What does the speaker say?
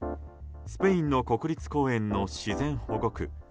スペインの国立公園の自然保護区。